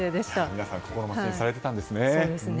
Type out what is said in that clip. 皆さん心待ちにされていたんですね。